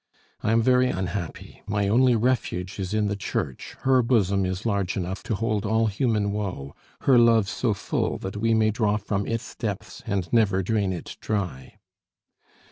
I am very unhappy; my only refuge is in the Church; her bosom is large enough to hold all human woe, her love so full that we may draw from its depths and never drain it dry."